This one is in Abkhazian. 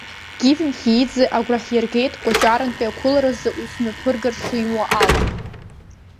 Гиви Мхьеиӡе агәра ҳиргеит Кәачарантәи ақәыларазы ус мҩаԥыргар шимуа ала.